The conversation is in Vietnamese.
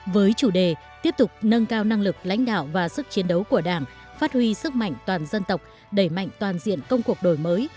với chủ đề tiếp tục nâng cao năng lực lãnh đạo và sức chiến đấu của đảng phát huy sức mạnh toàn dân tộc đẩy mạnh toàn diện công cuộc đổi mới